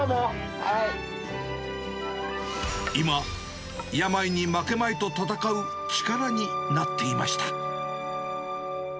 今、病に負けまいと闘う力になっていました。